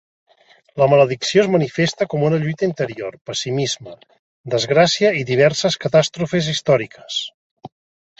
La "maledicció" es manifesta com a una lluita interior, pessimisme, desgràcia i diverses catàstrofes històriques.